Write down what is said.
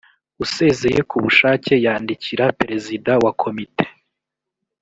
usezeye ku bushake yandikira perezida wa komite